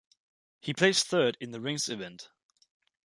He placed third in the rings event.